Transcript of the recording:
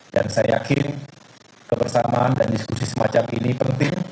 saya yakin kebersamaan dan diskusi semacam ini penting